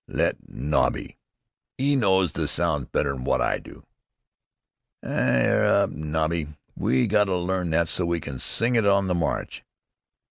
"Let Nobby. 'E knows the sounds better'n wot I do." "'It 'er up, Nobby! We gotta learn that so we can sing it on the march."